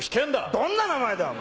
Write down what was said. どんな名前だ！